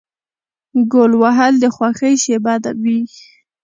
ګول وهل د خوښۍ شیبه وي.